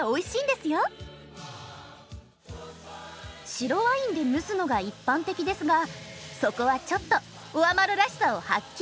白ワインで蒸すのが一般的ですがそこはちょっとオアマルらしさを発揮。